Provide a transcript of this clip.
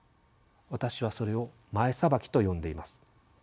私はそれを「前さばき」と呼んでいます。